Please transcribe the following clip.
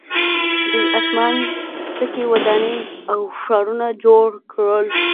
دوی اسمان څکې ودانۍ او ښارونه جوړ کړل.